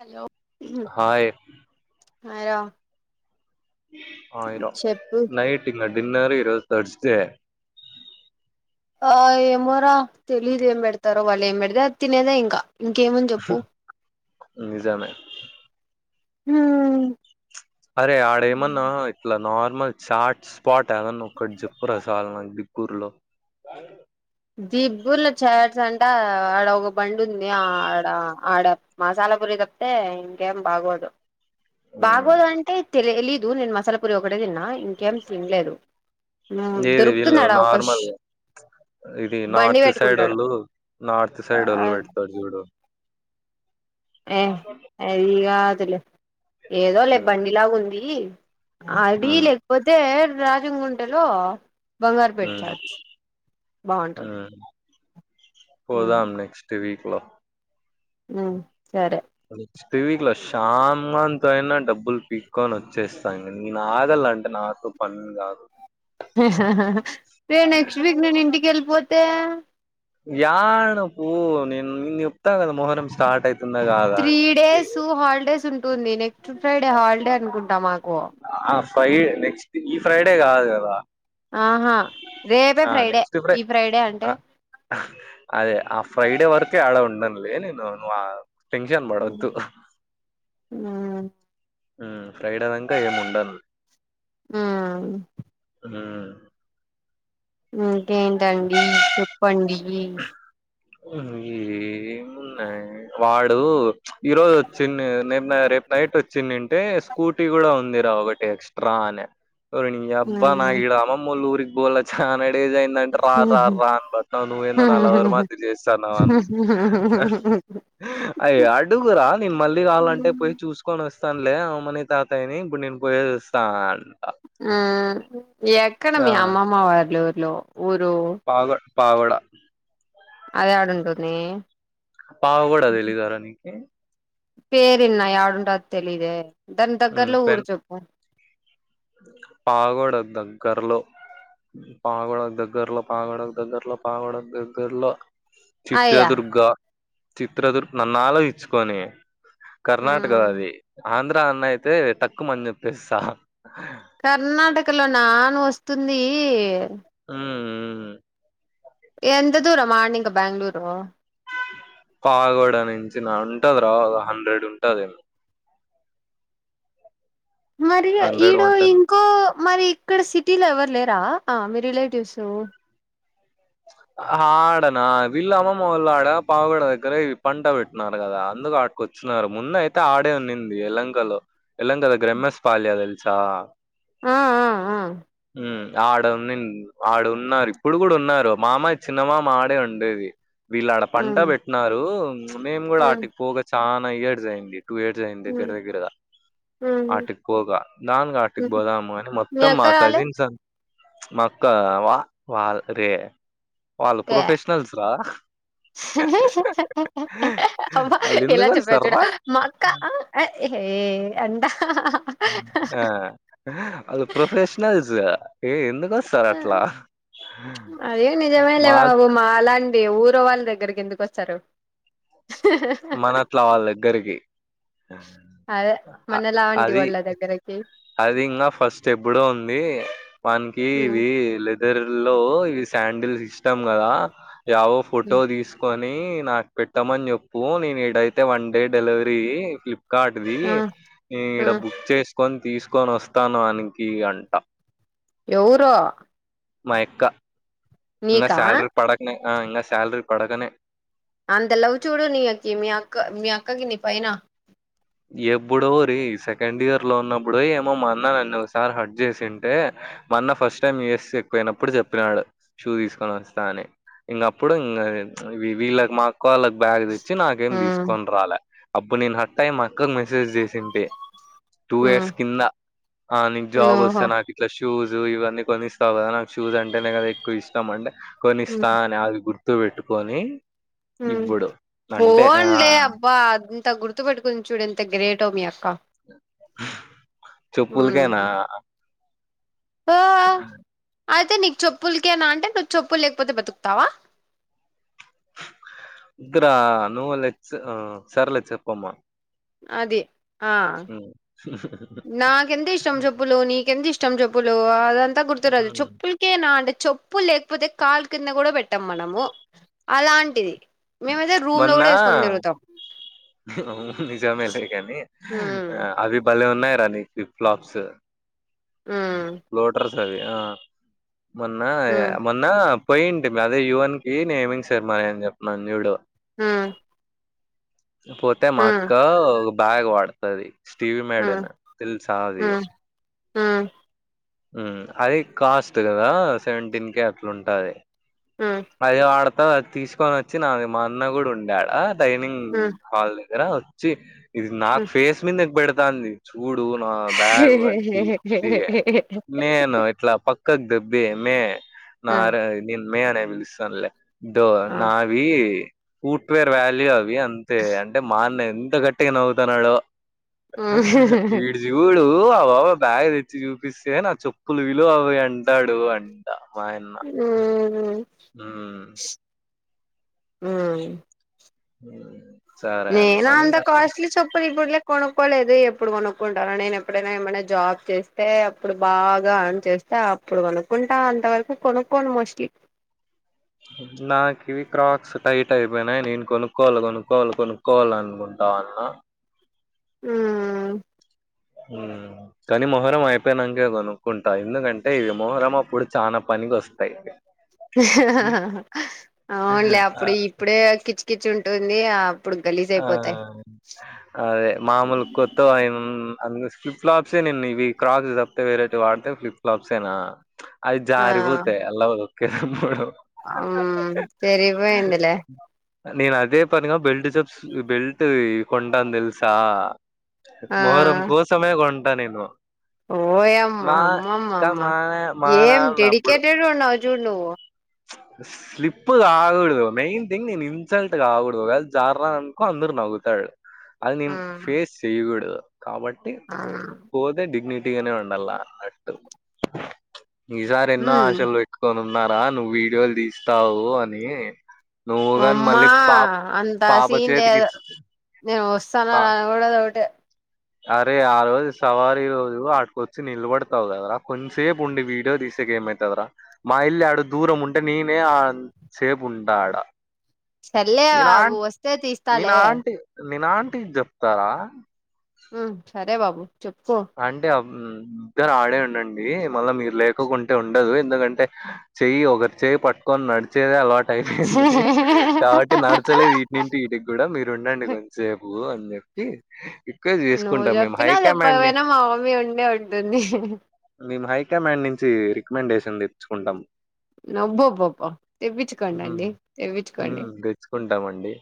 Hello hi hi Ram ఆయర చెప్పు night ఇంగ డిన్నర్ ఈరోజు తర్డ్స్ే ఆ ఏమోరా తెలీదు ఎంబెడతార వాళ్ళు ఏం బె డితే అది తినేదే ఇంకా ఇంకేమని చెప్పు నిజమే అరే ఆడేమన్న ఇట్లా నార్మల్ చాట్ స్పాట్ ఏదన్నా ఒకటి చెప్పు రా చాల నాకు దిగ్గుూరులో దిబ్బల చాట్స్ అంటే ఆడ ఒక బండి ఉంది ఆడ ఆడ మసాలా పురి తప్పతే ఇంకేం బాగోదు ఉమ్. బాగోదు అంటే తెలీదు నేను మసాలా పూరి ఒకటే తిన్నా ఇంకేం తినలేదు ఏది వీళ్ళు దొరుకుతున్నాడా అవకాశ నార్మల్ ఇది నార్త్ సైడ్ ఊళ్ళుళ్ళు నార్త్ సైడ్ వాళ్ళు పెడతారు చూడు ఏ అది గా దు లె ఏదో లే మ్మ్ బండిలాగా ఉంది అది మ్మ్ లేకపోతే రాజం గుంటలో బంగారు పెట్ చార్ట్స్ బాగుంటది మ్మ్ ఉమ్ పోదాం నెక్స్ట్ వీక్ లో ఆ సరే పడిచ్ పివీ లో షాగాంత అయినా డబ్బులు పీక్కొని వచ్చేస్తా నే నాగలి అంటే నాతో పని అంగాదు రే నెక్స్ట్ వీక్ నేను ఇంటికి వెళ్ళిపోతే యాడ పో నేన్ చెప్తగద మొహరం స్టార్ట్ ఐతే త్రీ డేసు హాలిడేస్ ఉంటుంది నెక్స్ట్ ఫ్రైడే హాలిడే అనుకుంటా మాకు ఆ ఫ్రై నెక్స్ట్ ఈ ఫ్రైడే కాదు కదా ఆహా రేపే ఆ ఫ్రైడే నెక్స్ట్ ఫ్రై ఈ ఫ్రైడే అంటే ఆ, అదే ఆ ఫ్రైడే వరకే ఆడ ఉండన్లే నేను నువ్ ఆ టెన్షన్ పడొద్దు నా ఉమ్ ఫ్రైడే దాంక ఏమ్ ఉండన్ ఆ ఆ ఇంకేంటండి చెప్పండీ ఉ ఏమున్నాది వాడు ఈ రోజు వచ్చింది నిన్న రేపు నైట్ వచ్చిందింటే స్కూటీ కూడా ఉందిరా ఒకటి ఎక్సట్రా ట్రా అనే ఒరే నీ అబ్బా నాకిడా అమ్మమ్మమ్మోల్ల ఊరికి పోల చాలాడేస్ అయింద అంటే రా రా రా అనిబట్ నిన్న నా లవరు మాధ్య చేస్తాను వాన్ను అయ్య అడుగురా నేను మళ్ళీ కావాలంటే ఉమ్ పోయి చూసుకొని వస్తానులే అమ్మమ్మ తాతయ్య ని ఇప్పుడు నేను పోయే వస్తా అంట అ ఎక్కడ ఆ మీ అమ్మమ్మ వల్లూర్లో ఊరు పాగడ్ పావడ అది యాడుంటుంది పావు కూడా తెలీదరా నీకి పేరిన్నా యాడుంటదో తెలిదే దాని ఉమ్, దగ్గర్లో ఊరు చెప్పు పావ్గోడ దగ్గర్లో పాగడ దగ్గర్లో పాగడ దగ్గర్లో పాగడ దగ్గర్లో అయ్యా చిత్రదుర్గ చిత్రదుర్గ నన్నాలోచించుకోని కర్ణాటక మ్ అది ఆంధ్రా అన్న అయితే టక్కుమని చెప్పేస్తా కర్ణాటకలోన నువ్వు వస్తుంది ఉమ్ ఎంత దూరం అడ్నింక బెంగుళూరు పాగోడ నుంచి నా ఉంటది రా ఒక హండ్రెడ్ ఉంటది మరి హండ్రెడ్ ఈడో వన్ టెన్ ఇంకో మరి ఇక్కడ సిటీలో ఎవరు లేరా అ మీ రిలేటివ్స్ ఆడనా వీళ్ళ అమ్మమ్మ వాళ్ళు ఆడ పావగడ దగ్గర పంట పెట్టిన్నారు కదా అందుకు ఆ కొచ్చునారు ముందు అయితే ఆడే ఉన్నింది ఎల్లంకలో ఎల్లంకలో దగ్గర ఎమ్మెస్పాల్య తెలుసా ఆ ఆ ఆ ఉ ఆడ ఉన్నింది ఆడ ఉన్నారు ఇప్పుడు కూడా ఉన్నారు మామ చిన్నమామాడే ఉండేది వీళ్ళు ఆడ ఆ పంట పెట్టినారు మేము మ్ కూడా మ్ వాటికి పోగా చానా ఇయర్స్ అయింది టూ ఇయర్సయింది దగ్గర మ్ దగ్గరగా మ్ ఆటికి పోగా నాన్ ఆటికి పోదాము కాని మీ మొత్తం అక్క మా రాలే కజిన్స్ అం మక్క వా వాల్ రే వాళ్ళు ప్రొఫెషనల్స్ రా అమ్మా ఎలా చెప్పా చూడా ఆళ్ళెందుకొస్తార్రా? మా అక్కా అహే అంట ఆ వాళ్లు ప్రొఫెషనల్స్ ఎ ఎందుకు సార్ అట్లా మా మాలాంటి ఊరి వాళ్ళ దగ్గరకి ఎందుకు వస్తారు మన అట్లా వాళ్ళ దగ్గరికి అదే మన అ- లావంటి అది వాళ్ళ దగ్గరకి అది ఇంకా ఫస్ట్ ఎప్పుడో ఉంది వానికి ఉమ్, ఇది లేదు ఇద్దర్లో ఇ శాండిల్ సిష్టటం కదా రావో ఫోటో ఉమ్, తీసుకని నీ నాకు పెట్టామని చెప్పు నేనీడైతే one day delivery Flipkart ది ఆ ఆ ఈడ బుక్ చేసుకొని తీసుకొని వస్తాను ఆనికి అంట ఎవరో మా యక్క ఇంకా నీకా శాలరీ పడకనే ఇంకా శాలరీ పడకనే అంత లవు చూడు నీకి మీ అక్క మీ అక్కకి నీ పైన ఎప్పుడోరి సెకండ్ ఇయర్ లో ఉన్నప్పుడు ఏమో మా అన్న నన్ను ఒకసారి హట్ చేసింటే మా అన్న ఫస్ట్ టైమ్ యూఎస్ ఎక్పోయినప్పుడు చెప్పినాడు షూ తీసుకొని వస్తా అని ఇంక అప్పుడు ఇంకా వీళ్ళకి మాఅక్క వాళ్ళకి బ్యాగ్ వచ్చి నాకేం ఉమ్ తీసుకొని రాలే అప్పుడు నేను హట్టై మా అక్క కి మెసేజ్ చేసింటే టూ ఉమ్ ఇయర్స్ కింద ఆ నీకు ఉమ్, జాబ్ వస్తే ఓహో నాకు ఇట్లా షూజు ఇవన్నీ కొన్నిస్తావు కదా నాకు షూస్ అంటేనే కదా ఎక్కువ ఇష్టం అంటే ఉమ్ కొనిస్తా అని అది గుర్తు పెట్టుకొని ఇప్పుడు అంటే ఆ పోనిలేే అబ్బా అది ఇంత గుర్తుపెట్టుకుని చూడు ఎంత గ్రేటో మీ అక్క చెప్పులు కేనా మ్మ్ ఆ అయితే నీకు చెప్పులకేనా అంటే నువ్వు చెప్పులు లేకపోతే బతుకుతావా ఇదరా నువ్వు లెచ్చు సర్లే చెప్పమ్మా అది ఆ హ్మ్ ఎంత ఇష్టం చెప్పులు నీకెంత ఇష్టం చెప్పులు అదంతా గుర్తుకురాదు హ్మ్ చెప్పీ చెప్పేనా అంటే చెప్పు లేకపోతే కాలు కింద కూడా పెట్టాం మనము అలాంటిది మేమైతే రూం లో మొన్న కూడా వేసుకొని తిరుగుతాం అవును నిజమేలే కానీ మ్మ్ అది భలే ఉన్నాయి రా నీ ఫ్లీప్ ఫ్లాప్స్ మ్మ్ లోటర్స్ అది ఆ మొన్న మొన్న పోయింటి అదే యువన్ కి నేను శర్మ అని చెప్పిన్నాను జూడు ఆ పోతే మా అక్క ఒక బ్యాగ్ వాడుతది స్టీవీ మేడిన్ తెలిసా అది ఆ అది కాస్ట్ కదా సెవెంటీన్ కే అట్లా ఉంటది ఆ అది వాడతా అది తీసుకొని వచ్చి నాది మా అన్న కూడా ఉండే ఆడ డైనింగ్ మ్మ్ హాల్ దగ్గర వచ్చి ఇది నాకు మ్మ్ ఫేస్ మీదకు పెడతాంది చూడు నా బ్యాగ్ అది ఇది తీ నేను ఇట్లా ప క్కగ్ దొబ్బి మే మ్మ్ నార నిన్ మే అనే పిలుస్తాన్లే ఆ ఆ అవి ఫూట్వేర్ వ్యాల్యూ అవి అంతే అంటే మాన్న ఎంత గట్టి గా నవ్వుతాన్నాడో చూడు ఆ బ్యాగ్ తెచ్చి చూపిస్తే నా చెప్పులు విలువ అవవి అంటాడు అడి మా ఉ ఆ ఆ ఉ నేను అంతా కాస్లి చెప్పులు ఎప్పులే కొనుక్కోలేదు ఎప్పుడు కొనుక్కుంటారా నేను ఎప్పుడైనా ఏమైనా జాబ్ చేస్తే అప్పుడు బాగా అర్న్ చేస్త అప్పుడు కొనుక్కుంటా అంత వరకు కొనుక్కోను మోస్ట్లీ నాకి ఇవి క్రాక్స్ టైట్ అయిపోయినాయి నేను కొనుక్కోవలి కొనుకోవలి కొను కోవాల అనుకుంటా ఉన్న ఆ ఉ కానీ మొహరం అయిపోయినాకే కొనుక్కుంటా ఎందుకంటే ఇవి మొహరం అప్పుడు చాలా పనికి వస్తాయి అవునులే ఆ! అప్పుడు ఇప్పుడే కిచి కిచి ఉంటుంది ఆ ఆ అదే మామూలు కొ ఆ ఫ్లిప్లాప్సే నేను ఇవి క్రాక్స్ తప్పతే వేరేటివి వాడితే ఫ్లిప్ ఫలాప్సేనా అది ఆ జారి పోతే ఎల్లవదు ఉమ్ సరి పోయిందిలే నేను అదే పనిగా బెల్ట్ జప్స్ బెల్ట్వి కొంటాను తెల్సా ఆ మొహరం కోసమే కొంటా నేను ఓయమ్మా మా అమ్మమ్మ ఇంకా అమ్మ మా మా ఏం నాన్న డెడికేటెడ్ ఉన్నావు చూడు నువ్వు స స్లిప్ కాకూడదు మెయిన్ థింగ్ నేను ఇన్సల్ట్ కాకూడదు ఒకవేళ జర్రా అనుకో అందరు నవ్వుతాడు అది ఆ నేను ఫేస్ చెయ్యకూడదు కాబట్టి ఆ పోతే డిగ్నిటీగానే ఉండాల అట్టు ఈ సారి ఎన్నో ఉమ్ ఆశలు పెట్టు కని ఉన్నారా నువ్వు వీడియోలు తీస్తావు అని నువ్వు గాని ఓమ్మా మళ్ళీ పాప అంత పాప సీన్ చేతికి లేదు ఇచ్చి నేను వస్తాను పా- రానో కూడా ఒకటి అరే ఆ రోజు సవారి రోజు ఆడికొచ్చి నిలబడతావు కదా కొంసేపు ఉండి వీడియోసు తీసు ఏమైతది రా మా ఇల్లి ఆడు దూరం ఉంటే నేనే ఆ సేపు ఉంటాడా సర్లే అ వస్తే తీస్తాలే నేను ఆంటీ కి చెప్తారా ఉమ్ సరే బాబు చెప్పు ఆంటీ ఇద్దరు ఆడే ఉండండి మళ్ళా మీరు లేకోకుంటే ఉండదు ఎందుకంటే చెయ్యి ఒకరి చెయి పట్టుకొని నడిచేదే అలవాటు అయిపోయింది కాబట్టి నడచలేదు ఇంటింటి వీటికి కూడా మీరు ఉండండి కొంసేపు అని చెప్పి నువ్వు చెప్పినా కమాండ్‌ని చెప్పకపోయినా మా మమ్మీ ఉండే ఉంటుంది మేము హైకమాండ్ నుంచి రికమెండేషన్ తెచ్చుకుంటాం నబ్బబ్బబ్బ తెప్పించుకోండి అండి తెప్పించుకోండి తీకుంటామండి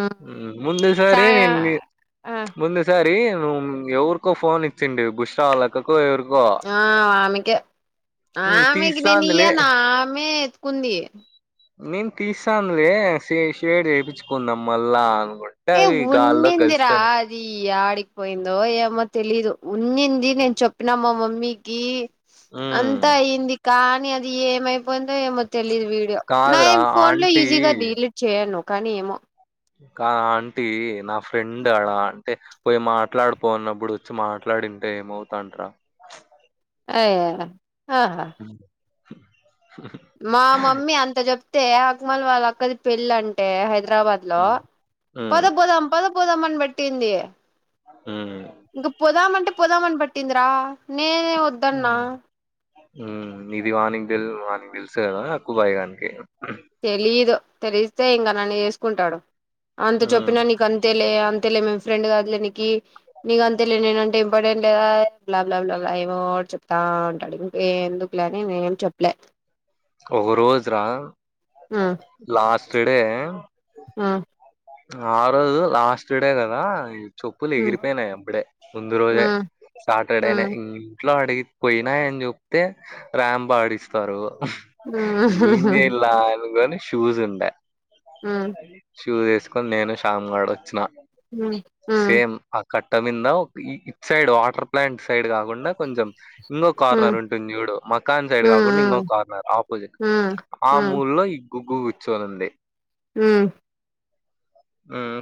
ఉమ్, ముందు చా సారీ నేను మీ ఆ ముందు సారి నువ్వు ఎవరికో ఫోన్ ఇచ్చిండి బుష్రావాల క్కకో ఎవరికో ఆ ఆమెకే హ్మ్. ఆమెకి నేను తీస్తాందిలే. ఇయ్య నా ఆమె ఎత్తుకుంది నేను తీసానులే షేడ్ చేయించుకుందాం మళ్ళా అనుకోం ఏ ఉన్నీంది రా అది ఆడికిపోయిందో ఏమో తెలీదు ఉన్నింది నేను చెప్పినా మా మమ్మీకి హ్మ్. అంతా అయింది కానీ అది ఏమైపోయిందో ఏమో తెలీదు వీడియో నా కాదురా ఏం ఫోన్ లో ఆంటీ ఈజీగా డిలీట్ చేయను కానీ ఏమో ఆ అంటీ నా ఫ్రెండ్ ఆడా అంటే పోయి మాట్లాడిపోన్నప్పుడు వచ్చి మాట్లాడింటే ఏమవుతాంటార అయ ఆహా హ్మ్. మా మమ్మీ అంత చెప్తే అక్మల్ వాళ్ళ అక్కది పెళ్ళి అంటే హైదరాబాద్ హలో పద హ్మ్. పోదాం పద పోదం అని బట్టింది హ ఇంకా పోదామంటే పోదామని పట్టిందిరా నేనే వద్దన్న హ్మ్. ఇది వానికి తెలీదు వానికి తెలుసు కదా అక్కు బాయి గానికి తెలీదు తెలిస్తే ఇంకా నన్ను ఏసుకుంటాడు అంత హ్మ్. చెప్పినా నీకు అంతేలే అంతేలే మేం ఫ్రెండ్ కాదులేనికి నీకు అంతేలే నేనంటే ఇంపార్టెంట్ లేదా బ్లా బ్లా ఏమో చెప్తా అంటాడు ఇంక ఎందుకు చెప్పలనే నేనేమ్ చెప్పలే ఒక రోజు రా ఆ లాస్ట్ డే ఆ ఆ రోజు లాస్ట్ డే కదా చెప్పులు హ్మ్ ఎగిరిపోయినాయి అప్పుడే ముందు రోజే హ్మ్ సాటర్డేనే హ్మ్ ఇంట్లో అడిగి పోయినాయని చెప్తే రాంప్ ఆడిస్తారు హ్మ్ ఏం చేయల్లా అనుకోని షూస్ ఉండే హ్మ్ షూస్సు నేను శ్యామ్ గాడు వచ్చిన హ్మ్ సేమ్ కట్టమీన్నా ఇ ఇటుసైడ్ వాటర్ ప్లాంట్ సైడ్ కాకుండా కొంచెం ఇంకో హ్మ్ కార్నర్ ఉంటుంది చూడు మకాన్ సైడ్ కాకుండా ఇంకో హ్మ్ కార్నర్ ఆపోజిట్ హ్మ్ ఆ హ్మ్ మూలలో ఈ గుగ్గు కూర్చొనింది ఆ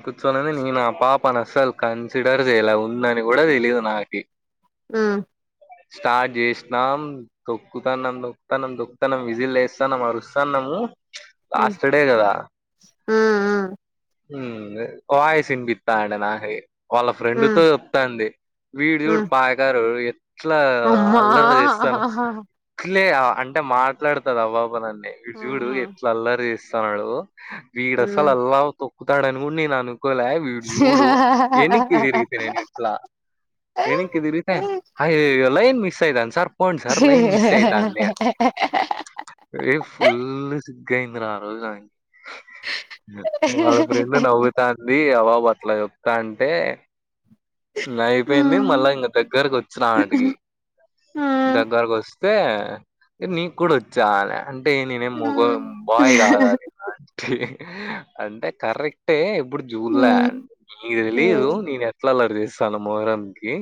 కూర్చోనింది నే నా పాపని అస్సలు కన్సిడర్ చేయలే ఉందని కూడా తెలియదు నాకి ఆ స్టార్ట్ చేసినాం తొక్కుతానం తొక్కుతానం తొక్కుతానం విజిల్ వేస్తానము మరుస్తాన్నాము లాస్ట్ డే కదా ఆ వాయిస్ ఇనిపిస్తండే నాకి వాళ్ళ హ్మ్ ఫ్రెండ్తో చెప్తాంది వీడుజూడు హ్మ్ పాయకారోడు ఇట్లా అమ్మా అల్లరి చేస్తాను ఇట్లే అంటే మాట్లాడతడు ఆ బాబు అనల్నే వీడుజూడు హ్మ్ ఎట్లా అల్లరి చేస్తున్నాడో వీడస్సల్ హ్మ్ అల్వాల్ తొక్కుతాడని గూడా నేను అనుకోలే వీడుజూడు యెనిక్కి దిరిగితే నేను ఎట్లా యెనిక్కిదిరిగితే హ్మ్ అయ్యయో లైన్ మిస్ అయితాంది సార్ పోండి సార్ లైన్ మిస్ అయితాంది ఏ ఫుల్ సిగ్గ్ అయింది రా ఆరోజు నా వాళ్ళ ఫ్రెండ్ నవ్వుతాం ది అ బాబు అట్ల ఒక్క అంటే నై పోయింది మళ్ళా ఇంగ దగ్గరకు వచ్చిన ఆంటికి దగ్గరకు వస్తే వస్తే నీకు గూడా వచ్చా అనే అంటే నేనే మొగొ బాయ్ గాదా ఆంటీ అంటే కర్రయి అంటే ఇప్పుడు జూల్లే ఆమె నీకు దెలీయదు నేను ఎట్లా అల్లరి జేస్తాను మొహరంకి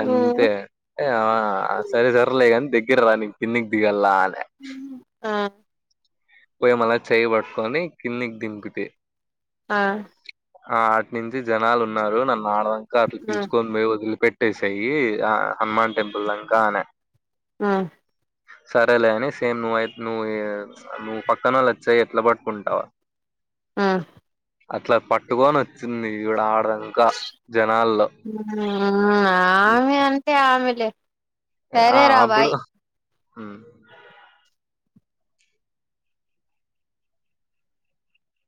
అంతే ఏ ఆ సరే సర్లేగాని దగ్గర రా నే కిందికి దిగాల్లా అనే ఆ పోయి మళ్ళ చేయి పట్టుకొని కిందికి దింపితే ఆ ఆ అట్ నుంచి జనాలు ఉన్నారు నన్ను ఆడదాంక అట్ల పిలుచుకొని బోయి వదిలిపెట్ సేయ్యి ఆ హనుమాన్ టెంపుల్ దాంకా అనే ఉమ్ సరేలే అని సేమ్ నువ్వు అయి నువ్వు నువ్వు పక్కనోళ్ళ చేయి ఎట్లా పట్టుకుంటావ్ ఉమ్ అట్లా పట్టుకొని వచ్చింది ఈవిడ ఆడదాంకా జనాల్లో ఉమ్ ఆమె అంతే ఆమెలే ఆ సరే రా అప్పుడు బాయ్ ఉమ్